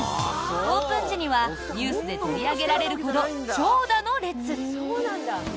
オープン時にはニュースで取り上げられるほど長蛇の列。